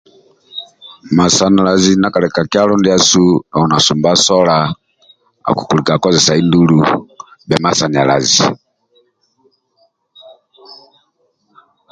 Masanalazi ndia kali ka kyalo ndiasu oli na sumba sola ndiaokulika kozesai ndulu bhia masanalazi